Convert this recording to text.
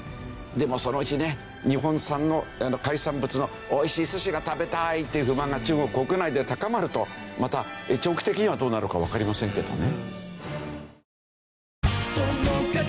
でもそのうちね日本産の海産物の美味しい寿司が食べたいっていう不満が中国国内で高まるとまた長期的にはどうなるかわかりませんけどね。